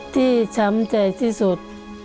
ช้ำใจที่สุด